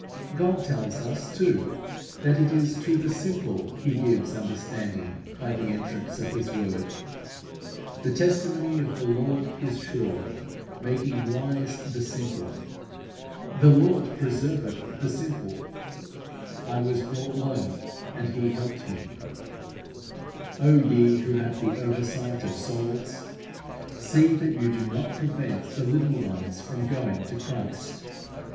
God tells us, too, that it is to the simple He gives understanding by the entrance of His Word (Ps. cxix. 130). "The testimony of the Lord is sure, making wise the simple" (Ps. xix. 7). "The Lord preserveth the simple: I was brought low, and He helped me" (Ps. cxvi. 6). O ye who have the oversight of souls! see that you do not prevent the little ones from going to Christ.